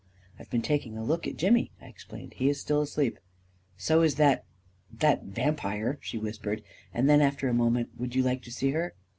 " I've been taking a look at Jimmy/' I explained " He is still asleep/ 1 " So is that «— that vampire I " she whispered. And then, after a moment, " Would you like to see her?"